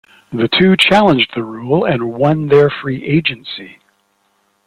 The two challenged the rule and won their free agency.